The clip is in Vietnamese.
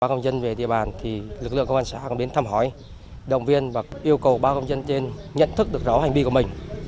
bác công dân về địa bàn lực lượng công an xã đến thăm hỏi đồng viên và yêu cầu bác công dân trên nhận thức được rõ hành vi của mình